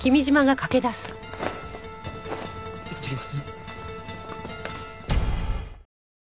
いってきます。